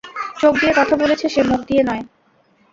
চোখ দিয়ে কথা বলেছে সে, মুখ দিয়ে নয়।